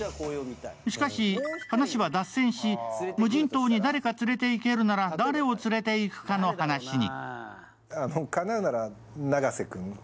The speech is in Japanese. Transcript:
しかし話は脱線し、無人島に誰か連れて行けるなら誰を連れていくかの話に。